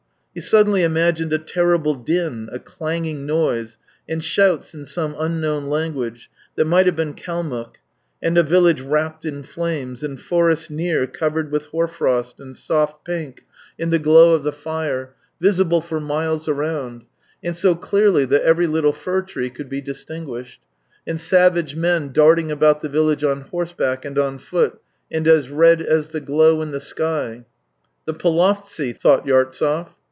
He suddenly imagined a terrible din, a clanging noise, and shouts in some unknown language, that might have been Kalmuck, and a village wrapped in flames, and forests near covered with hoarfrost and soft pink in the glow THREE YEARS 281 of the fire, visible for miles around, and so clearly that every little fir tree could be distinguished, and savage men darting about the village on horse back and on foot, and as red as the glow in the sky. " The Polovtsy," thought Yartsev.